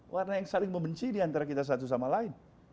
warna yang saling membenci diantara kita satu sama lain